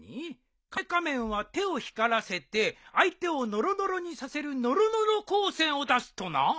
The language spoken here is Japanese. カメカメンは手を光らせて相手をノロノロにさせるノロノロ光線を出すとな。